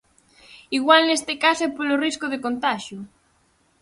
Igual neste caso é polo risco de contaxio.